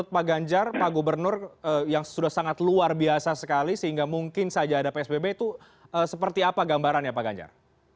pak ganjar pak gubernur yang sudah sangat luar biasa sekali sehingga mungkin saja ada psbb itu seperti apa gambarannya pak ganjar